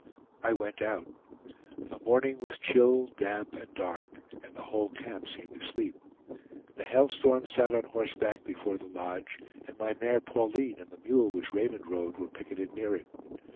I went out. The morning was chill, damp, and dark; and the whole camp seemed asleep. The Hail Storm sat on horseback before the lodge, and my mare Pauline and the mule which Raymond rode were picketed near it.